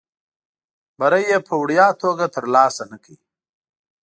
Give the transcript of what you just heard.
بری یې په وړیا توګه ترلاسه نه کړ.